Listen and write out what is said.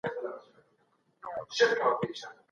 د ناروغۍ پر مهال ميرويس خان نيکه څوک خپل څنګ ته راوبلل؟